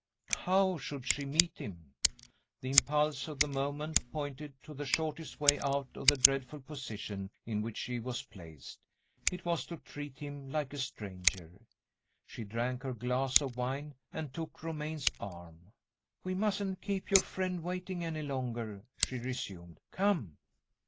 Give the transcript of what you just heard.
How should she meet him? The impulse of the moment pointed to the shortest way out of the dreadful position in which she was placed it was to treat him like a stranger. She drank her glass of wine, and took Romayne's arm. "We mustn't keep your friend waiting any longer," she resumed. "Come!"